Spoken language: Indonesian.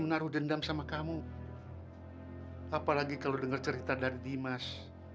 menaruh dendam sama kamu apalagi kalau dengar cerita dari dimas